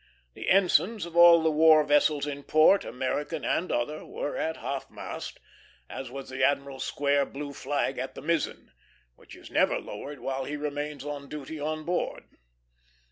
The ensigns of all the war vessels in port, American and other, were at half mast, as was the admiral's square blue flag at the mizzen, which is never lowered while he remains on duty on board.